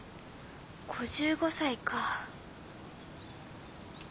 ５５歳か。